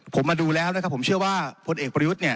ผมมาดูแล้วนะครับผมเชื่อว่าพลเอกประยุทธ์เนี่ย